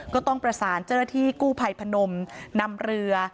ก็ต้องประสานเจ้าหน้าที่กู้ภัยพนมนำเรือ